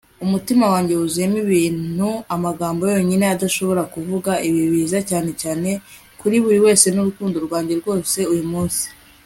umutima wanjye wuzuyemo ibintu amagambo yonyine adashobora kuvuga. ibi biza cyane cyane kuri wewe n'urukundo rwanjye rwose uyu munsi